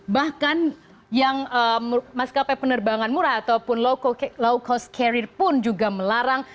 bahkan yang maskapai penerbangan murah ataupun low cost carrier pun juga melarang